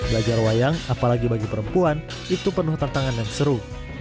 belajar wayang apalagi bagi perempuan itu penuh tantangan dan seru